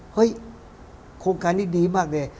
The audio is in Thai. เฮ้ยโครงการนี่ดีมากเนี่ย